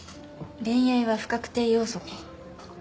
恋愛は不確定要素か。